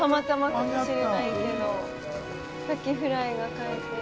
カキフライが買えて。